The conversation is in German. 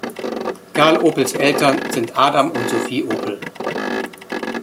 Carl Opels Eltern sind Adam und Sophie Opel.